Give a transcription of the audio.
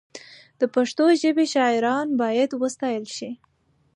د پښتو ژبې شاعران باید وستایل شي.